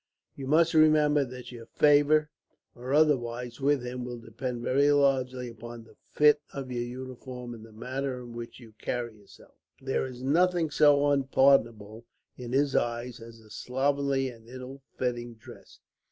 You must remember that your favour, or otherwise, with him will depend very largely upon the fit of your uniform, and the manner in which you carry yourself. There is nothing so unpardonable, in his eyes, as a slovenly and ill fitting dress.